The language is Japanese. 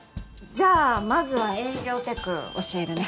じゃあまずは営業テク教えるね。